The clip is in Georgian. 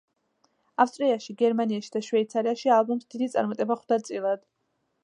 ავსტრიაში, გერმანიაში და შვეიცარიაში ალბომს დიდი წარმატება ხვდა წილად.